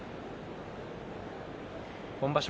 今場所